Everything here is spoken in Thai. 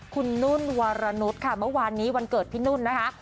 คุณนุ่นวารนุษย์ค่ะเมื่อวานนี้วันเกิดพี่นุ่นนะคะ